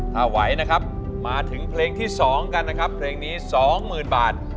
ถ้าไหวนะครับมาถึงเพลงที่สองกันนะครับเพลงนี้สองหมื่นบาท